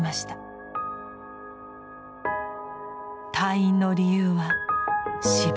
退院の理由は「死亡」。